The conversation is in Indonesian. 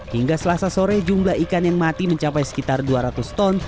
hingga selasa sore jumlah ikan yang mati mencapai sekitar dua ratus ton